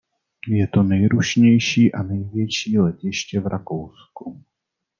Je to nejrušnější a největší letiště v Rakousku.